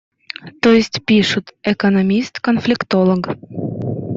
То есть пишут: «Экономист, конфликтолог».